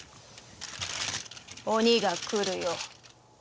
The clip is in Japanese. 鬼が来るよ。